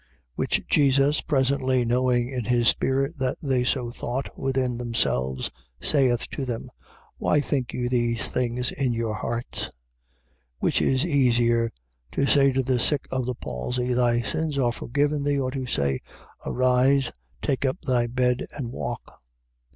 2:8. Which Jesus presently knowing in his spirit that they so thought within themselves, saith to them: Why think you these things in your hearts? 2:9. Which is easier, to say to the sick of the palsy: Thy sins are forgiven thee; or to say: Arise, take up thy bed and walk?